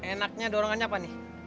enaknya dorongannya apa nih